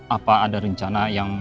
apa ada rencana yang